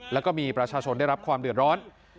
แล้วก็มีประชาชนได้รับความเดือดร้อน